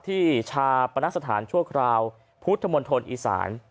ชาปนสถานชั่วคราวพุทธมณฑลอีสาน